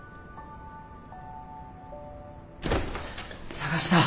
捜した。